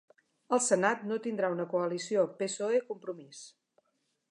El senat no tindrà una coalició PSOE-Compromís